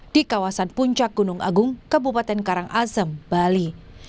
di kawasan puncak gunung agung kabupaten karangasem bali